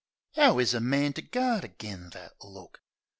'Ow is a man to guard agen that look?